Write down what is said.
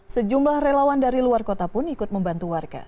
sejumlah relawan dari luar kota pun ikut membantu warga